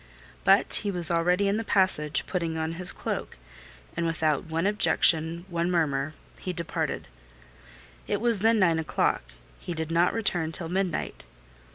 But he was already in the passage, putting on his cloak; and without one objection, one murmur, he departed. It was then nine o'clock: he did not return till midnight.